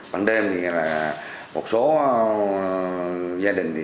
ban đêm thì một số gia đình cũng có sự mất hành giá